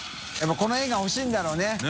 この絵がほしいんだろうねねぇ。